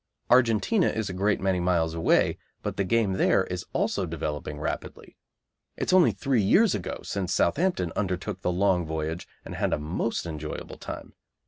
Argentina is a great many miles away, but the game there is also developing rapidly. It is only three years ago since Southampton undertook the long voyage and had a most enjoyable time.